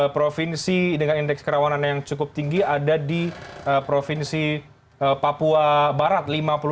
provinsi dengan indeks kerawanan yang cukup tinggi ada di provinsi papua barat lima puluh dua delapan puluh tiga